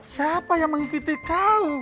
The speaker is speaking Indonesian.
siapa yang mengikuti kau